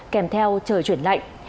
kèm theo trời chuyển lạnh